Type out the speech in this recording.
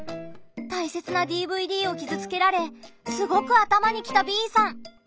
たいせつなＤＶＤを傷つけられすごく頭にきたＢさん。